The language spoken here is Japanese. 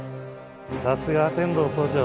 さすが天堂総長。